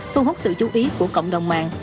thu hút sự chú ý của cộng đồng mạng